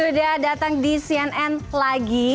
sudah datang di cnn lagi